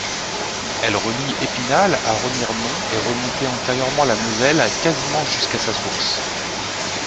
Elle relie Épinal à Remiremont et remontait antérieurement la Moselle quasiment jusqu’à sa source.